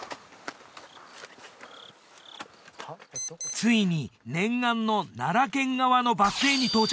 ついに念願の奈良県側のバス停に到着！